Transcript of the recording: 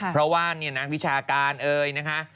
เพราะว่านักวิชาการค่ะ